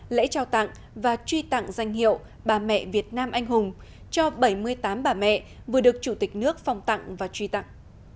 lễ trao tặng và truy tặng danh hiệu bà mẹ việt nam anh hùng cho bảy mươi tám bà mẹ vừa được chủ tịch nước phòng tặng và truy tặng